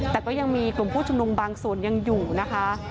แต่ก็ยังมีกลุ่มผู้ชุมนุมบางส่วนยังอยู่นะคะ